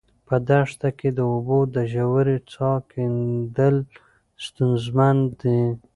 په دښته کې د اوبو د ژورې څاه کیندل ستونزمن دي.